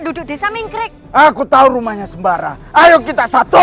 dan tak ada sepenuhnya cara cara saling men influksi yang salah